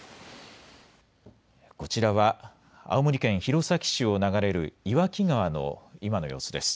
こちらは、青森県弘前市を流れる岩木川の今の様子です。